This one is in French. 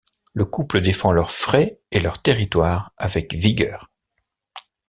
Le couple défend leur frai et leur territoire avec vigueur.